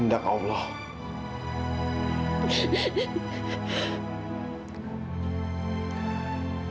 ini bukan salah kak